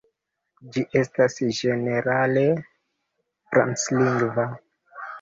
Ĝi estas ĝenerale franclingva.